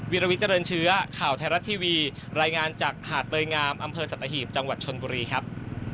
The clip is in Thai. วิลวิเจริญเชื้อข่าวไทยรัฐทีวีรายงานจากหาดเตยงามอำเภอสัตหีบจังหวัดชนบุรีครับ